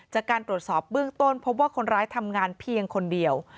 จากการตรวจสอบเบื้องต้นพบว่าคนร้ายทำงานเพียงคนเดียว